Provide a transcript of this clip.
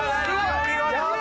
お見事！